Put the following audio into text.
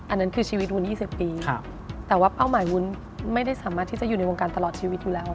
อันนั้นคือชีวิตวุ้น๒๐ปีแต่ว่าเป้าหมายวุ้นไม่ได้สามารถที่จะอยู่ในวงการตลอดชีวิตอยู่แล้ว